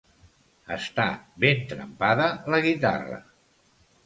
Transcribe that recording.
Estar ben trempada la guitarra.